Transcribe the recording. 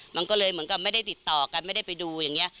มันก็เลยเหมือนกับไม่ได้ติดต่อกันไม่ได้ไปดูอย่างนี้